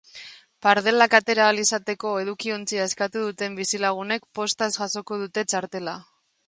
Pardelak atera ahal izateko edukiontzia eskatu duten bizilagunek postaz jasoko dute txartela.